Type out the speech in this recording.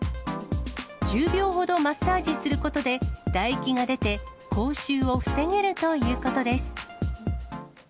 １０秒ほどマッサージすることで、唾液が出て、口臭を防げるということです。